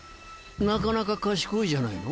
なかなか賢いじゃないの。